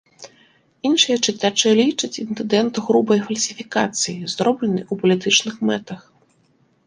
Іншыя чытачы лічаць інцыдэнт грубай фальсіфікацыяй, зробленай у палітычных мэтах.